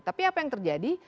tapi apa yang terjadi